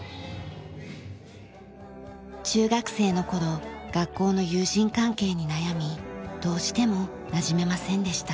中学生の頃学校の友人関係に悩みどうしてもなじめませんでした。